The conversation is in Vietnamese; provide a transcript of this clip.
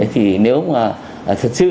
thì nếu mà thật sự